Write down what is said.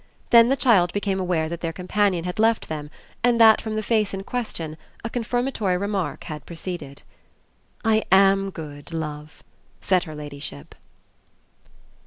Then the child became aware that their companion had left them and that from the face in question a confirmatory remark had proceeded. "I AM good, love," said her ladyship.